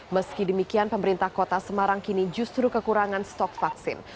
meski demikian pemerintah kota semarang kini justru kekurangan stok vaksin